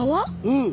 うん。